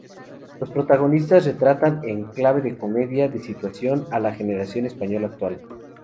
Los protagonistas retratan, en clave de comedia de situación, a la generación española actual.